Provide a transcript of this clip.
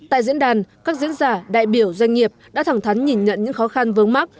tại diễn đàn các diễn giả đại biểu doanh nghiệp đã thẳng thắn nhìn nhận những khó khăn vướng mắt